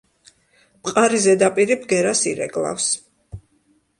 მყარი ზედაპირი ბგერას ირეკლავს.